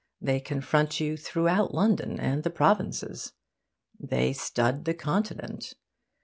They confront you throughout London and the provinces. They stud the Continent.